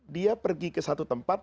dia pergi ke satu tempat